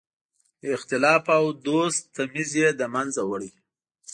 د اختلاف او دوست تمیز یې له منځه وړی.